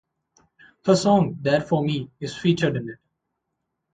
Her song, "There for Me" is featured in it.